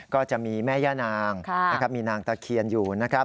ก็จะมีแม่ย่านางนะครับมีนางตะเคียนอยู่นะครับ